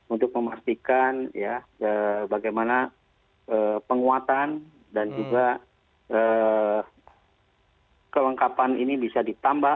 untuk memastikan bagaimana penguatan dan juga kelengkapan ini bisa ditambah